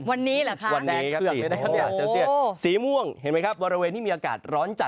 วันนี้เหรอคะ